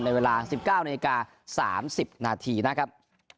เวลา๑๙นาฬิกา๓๐นาทีนะครับ